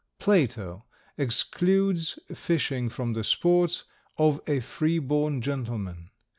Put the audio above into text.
Plato excludes fishing from the sports of a free born gentleman.